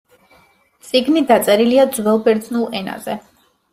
წიგნი დაწერილია ძველ ბერძნულ ენაზე.